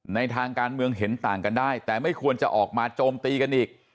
ทางการเมืองเห็นต่างกันได้แต่ไม่ควรจะออกมาโจมตีกันอีก